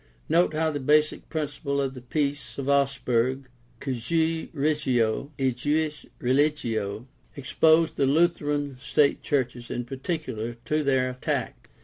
Note how the basic principle of the Peace of Augsburg, Cujus regio, ejus religio, exposed the Lutheran state churches in particular to their attack.